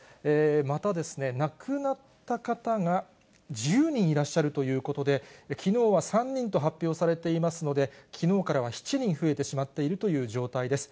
また、亡くなった方が１０人いらっしゃるということで、きのうは３人と発表されていますので、きのうからは７人増えてしまっているという状態です。